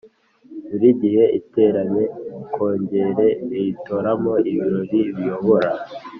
Buri gihe iteranye Kongere yitoramo ibiro biyobora